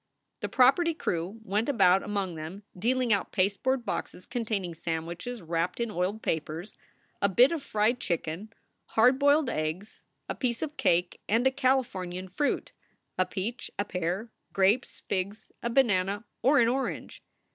The property crew went about among them, dealing out pasteboard boxes containing sandwiches wrapped in oiled papers, a bit of fried chicken, hard boiled eggs, a piece of cake, and a Californian fruit a peach, a pear, grapes, figs, a banana, or an orange.